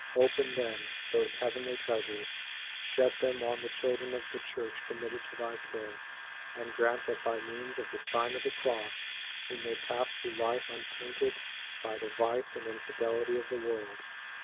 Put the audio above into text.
Open, then, those heavenly treasures; shed them on the chil dren of the Church committed to thy care, and grant that by means of the Sign of the Cross, we may pass through life untainted by the vice and infidelity of the world.